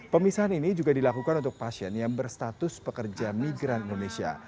pemisahan ini juga dilakukan untuk pasien yang berstatus pekerja migran indonesia